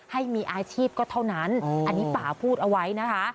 ให้มีอาชีพก็เท่านั้นอันนี้ป่าพูดเอาไว้นะคะ